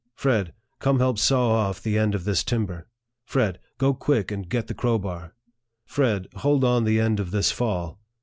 " Fred., come help saw off the end of this timber." "Fred., go quick, and get the crowbar." "Fred., hold on the end of this fall."